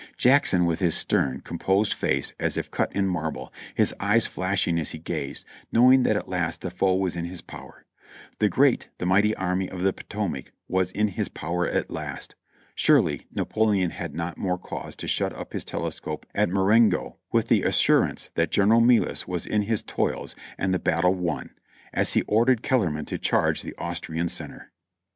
Jackson, with his stern, composed face as if cut in marble, his eyes flashing as he gazed, knowing that at last the foe was in his power. The great, the mighty Army of the Potomac was in his power at last. Surely Napoleon had not more cause to shut up his telescope at Marengo with the assurance that General Melas was in his toils and the battle won, as he ordered Kellerman to charge the Austrian center.